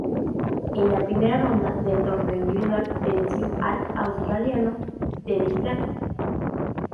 En la primera ronda del torneo individual, venció al australiano Teddy Flack.